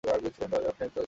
আর আপনি তার ক্ষমতা রাখেন।